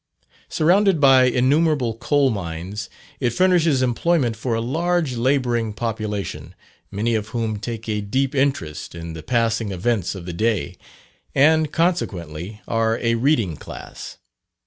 Surrounded by innumerable coal mines, it furnishes employment for a large labouring population, many of whom take a deep interest in the passing events of the day, and, consequently, are a reading class.